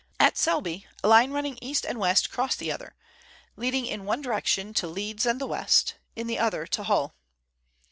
At Selby a line running east and west crossed the other, leading in one direction to Leeds and the west, in the other to Hull.